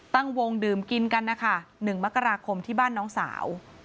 ตั้งวงดื่มกินกันนะคะ๑มกราคมที่บ้านน้องสาว